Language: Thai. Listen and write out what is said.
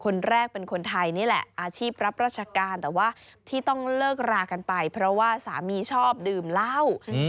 คนแรกเป็นคนไทยนี่แหละอาชีพรับราชการแต่ว่าที่ต้องเลิกรากันไปเพราะว่าสามีชอบดื่มเหล้า